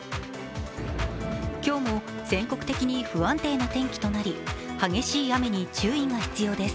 今日も全国的に不安定な天気となり激しい雨に注意が必要です。